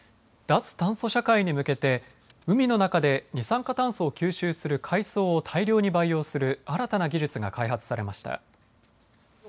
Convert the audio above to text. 脱炭素社会に向けて海の中で二酸化炭素を吸収する海藻を大量に培養する新たな技術が開発されました。